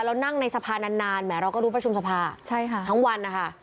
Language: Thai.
แล้วนั่งในสภานานแหมเราก็รู้ประชุมสภาทั้งวันนะคะ